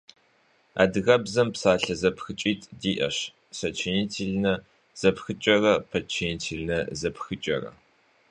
Адыгэбзэм псалъэ зэпхыкӏитӏ диӏэщ: сочинительнэ зэпхыкӏэрэ подчинительнэ зэпхыкӏэрэ.